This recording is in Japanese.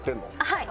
はい。